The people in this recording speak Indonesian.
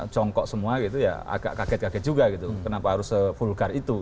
jongkok semua gitu ya agak kaget kaget juga gitu kenapa harus se vulgar itu